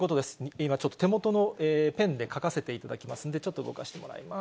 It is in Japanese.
今ちょっと手元のペンで書かせていただきますんで、ちょっと動かしてもらいます。